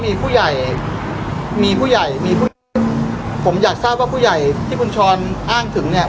พี่แจงในประเด็นที่เกี่ยวข้องกับความผิดที่ถูกเกาหา